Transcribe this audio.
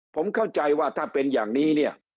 ผมเข้าใจว่าถ้าเป็นอย่างนี้เนี่ย